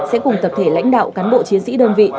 sẽ cùng tập thể lãnh đạo cán bộ chiến sĩ đơn vị